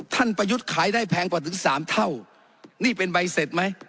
ท่านปะยุทธ์ขายได้แพงกว่าถึง๓เท่านี่เป็นใบเสร็จมั้ย